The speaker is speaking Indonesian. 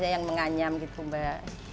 yang menganyam gitu mbak